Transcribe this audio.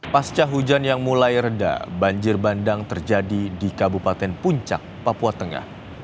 pasca hujan yang mulai reda banjir bandang terjadi di kabupaten puncak papua tengah